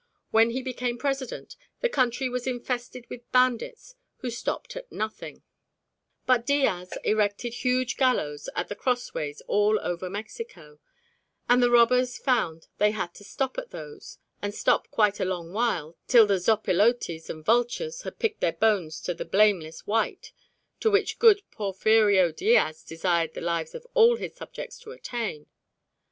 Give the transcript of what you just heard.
When he became President, the country was infested with bandits who stopped at nothing; but Diaz erected huge gallows at the crossways all over Mexico, and the robbers found they had to stop at those, and stop quite a long while till the zopilotes and vultures had picked their bones to the blameless white to which good Porfirio Diaz desired the lives of all his subjects to attain.